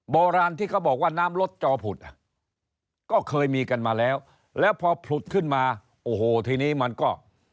โบราณที่เขาบอกว่าน้ำลดจอผุดอ่ะก็เคยมีกันมาแล้วแล้วพอผุดขึ้นมาโอ้โหทีนี้มันก็